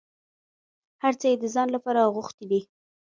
هر څه یې د ځان لپاره غوښتي دي.